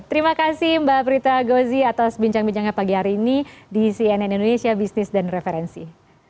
terima kasih mbak prita gozi atas bincang bincangnya pagi hari ini di cnn indonesia bisnis dan referensi